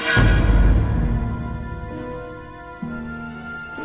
mendarah daging babi buta